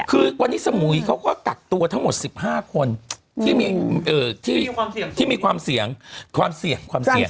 คือกวรรณีสมุยเขาก็ตัดตัวทั้งหมด๑๕คนที่มีความเสี่ยง